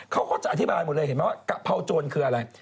เขาก็จะอธิบายหมดเลยเห็นไหมว่ากะเพราโจรคืออะไร